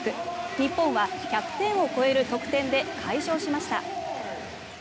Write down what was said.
日本は１００点を超える得点で快勝しました。